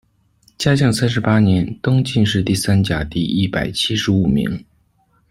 嘉靖三十八年，登进士第三甲第一百七十五名。